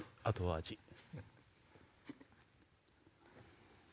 あとは味。